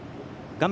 画面